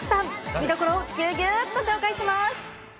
見どころをぎゅぎゅっと紹介します。